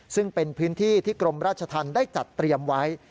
ซึ่งเป็นพื้นที่ที่กรมราชธรรมได้จัดเตรียมไว้